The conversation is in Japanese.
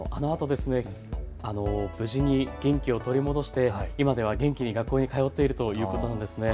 あのあと無事に元気を取り戻して今では元気に学校に通っているということなんですね。